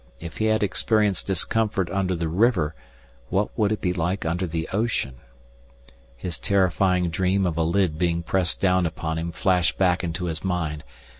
If he had experienced discomfort under the river, what would it be like under the ocean? His terrifying dream of a lid being pressed down upon him flashed back into his mind.